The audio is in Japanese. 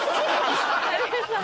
有吉さん